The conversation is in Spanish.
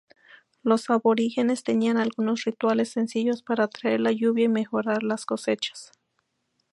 Los aborígenes tenían algunos rituales sencillos para atraer la lluvia y mejorar las cosechas.